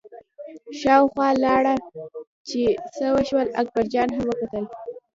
شاوخوا لاړه چې څه وشول، اکبرجان هم وکتل.